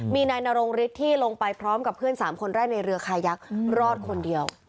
มีนายนรงฤทธิ์ที่ลงไปพร้อมกับเพื่อน๓คนแรกในเรือคายักษ์รอดคนเดียว